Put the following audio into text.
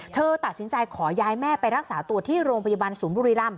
เธอตัดสินใจขอย้ายแม่ไปรักษาตัวที่โรงพยาบาลศูนย์บุรีรำ